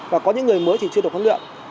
và có những người mới thì chưa được huấn luyện